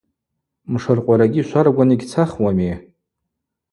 Мшыркъварагьи шваргван йгьцахуами.